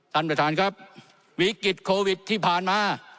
ท่านประธานครับวิกฤตโควิดที่ผ่านมา